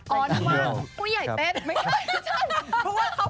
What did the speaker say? กูใหญ่เต็ด